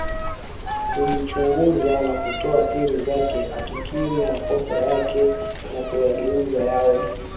kujichunguza na kutoa siri zake akikiri makosa yake na kuyageuza yawe